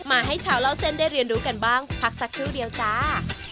มาให้ชาวเล่าเส้นได้เรียนรู้กันบ้างพักสักครู่เดียวจ้า